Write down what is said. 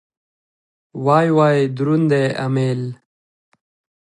وای وای دروند دی امېل.